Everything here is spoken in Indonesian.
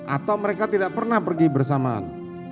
atau mereka tidak pernah pergi bersamaan